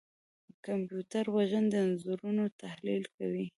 کمپیوټر وژن د انځورونو تحلیل کوي.